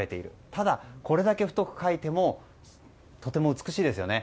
ただ、これだけ太く書いてもとても美しいですよね。